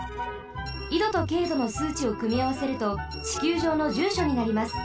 緯度と経度のすうちをくみあわせるとちきゅうじょうのじゅうしょになります。